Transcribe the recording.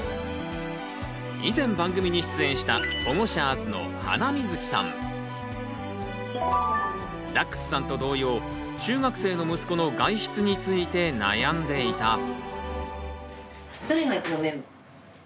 以前番組に出演したホゴシャーズのダックスさんと同様中学生の息子の外出について悩んでいた。